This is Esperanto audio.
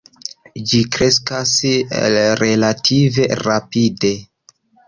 Ĝi kreskas relative rapide.